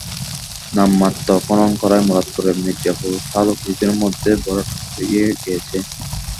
নামমাত্র খনন করায় মুরাদপুরের মির্জাপুর খালও কিছুদিনের মধ্যে ভরাট হয়ে গেছে।